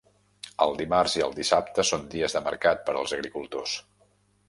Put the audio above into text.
El dimarts i el dissabte són dies de mercat per als agricultors.